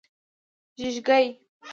🦔 ږېږګۍ